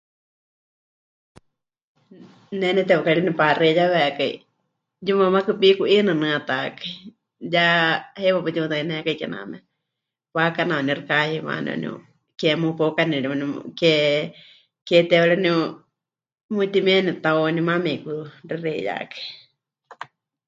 Ne neteukari nepaxeiyaweikai yumamákɨ piku'inɨnɨatákai, ya heiwa paɨ tiutainékai kename waakana waaníu xɨka ha'iwani waaníu, ke mupaukani ri waaníu, ke... ke teewa ri waaníu mɨtimieni tau maana me'ikuxexeiyákai.